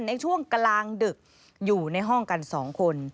ในช่วงกลางดึกอยู่ในห้องกัน๒คน